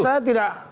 karena saya tidak